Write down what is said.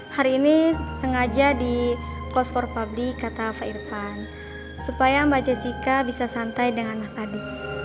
hari ini sengaja di close for public kata pak irfan supaya mbak jessica bisa santai dengan mas adi